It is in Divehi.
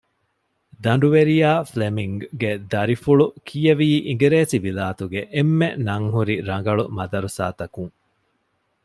ދަނޑުވެރިޔާ ފްލެމިންގ ގެ ދަރިފުޅު ކިޔެވީ އިނގިރޭސިވިލާތުގެ އެންމެ ނަން ހުރި ރަނގަޅު މަދުރަސާތަކުން